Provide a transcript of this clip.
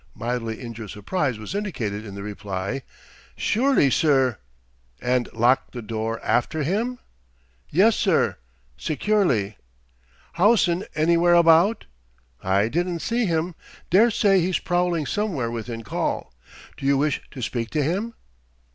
Mildly injured surprise was indicated in the reply: "Surely, sir!" "And locked the door after him?" "Yes, sir securely." "Howson anywhere about?" "I didn't see him. Daresay he's prowling somewhere within call. Do you wish to speak to him?"